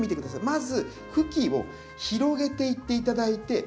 まず茎を広げていって頂いて。